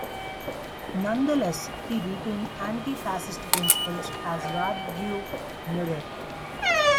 Nonetheless he retained anti-fascist principles as war drew nearer.